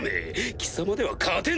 貴様では勝てぬ！